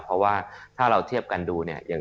เพราะว่าถ้าเราเทียบกันดูเนี่ย